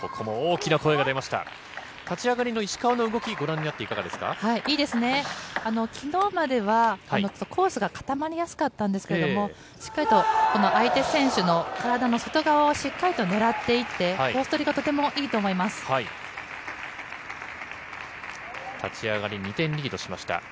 きのうまではコースが固まりやすかったんですけど、しっかりと相手選手の体の外側をしっかりと狙っていって、コース立ち上がり、２点リードしました。